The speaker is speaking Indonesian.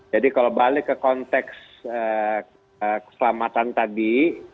jadi kalau balik ke konteks keselamatan tadi